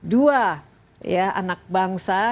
dua ya anak bangsa